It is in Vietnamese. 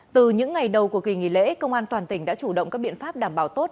từ những ngày đầu của kỳ nghỉ lễ công an toàn tỉnh đã chủ động các biện pháp đảm bảo tốt